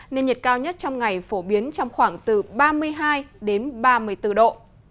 nên nhiệt cao nhất trong ngày phổ biến trong khoảng từ ba mươi hai đến ba mươi bốn độ